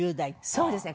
そうですね。